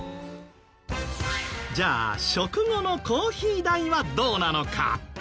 じゃあ食後のコーヒー代はどうなのか？